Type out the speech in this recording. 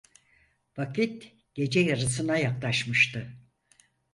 Vakit gece yarısına yaklaşmıştı.